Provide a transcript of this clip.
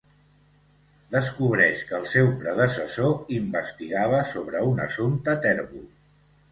Descobreix que el seu predecessor investigava sobre un assumpte tèrbol.